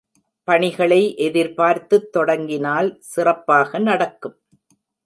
பணிகளை, எதிர்பார்த்துத் தொடங்கினால் சிறப்பாக நடக்கும்.